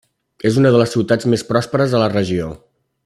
És una de les ciutats més pròsperes a la regió.